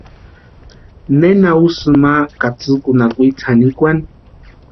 ¿Nena úsïni ma katsïkuni akwitsï janikwani?